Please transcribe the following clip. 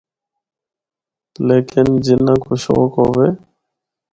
لیکن جنّا کو شوق ہوّے۔